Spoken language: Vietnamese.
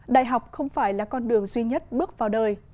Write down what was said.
đại học không phải là con đường duy nhất bước vào đời